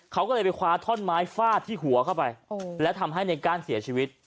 เขาก็เลยไปคว้าท่อนไม้ฟาดที่หัวเข้าไปแล้วทำให้ในก้านเสียชีวิต